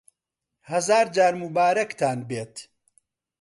هەزار جار موبارەکتان بێت